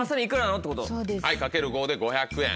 はい掛ける５で５００円。